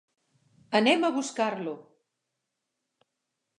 Anem a buscar-lo!